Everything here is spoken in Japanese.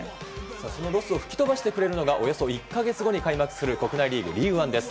そのロスを吹き飛ばしてくれるのがおよそ１か月後に開幕する国内リーグ、リーグワンです。